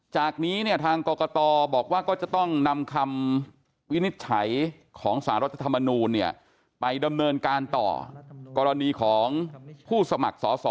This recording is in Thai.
จากนี้เนี่ยทางกรกตบอกว่าก็จะต้องนำคำวินิจฉัยของสารรัฐธรรมนูลไปดำเนินการต่อกรณีของผู้สมัครสอสอ